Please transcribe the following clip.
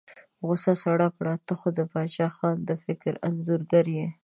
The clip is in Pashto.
غوسه سړه کړه، ته خو د باچا خان د فکر انځورګر یې.